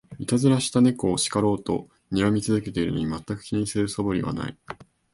いたずらした猫を叱ろうとにらみ続けてるのに、まったく気にする素振りはない